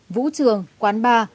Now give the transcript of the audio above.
vũ trường quán bar